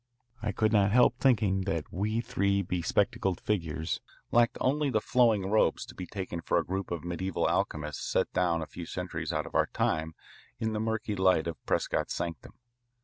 I could not help thinking that we three bespectacled figures lacked only the flowing robes to be taken for a group of medieval alchemists set down a few centuries out of our time in the murky light of Prescott's sanctum.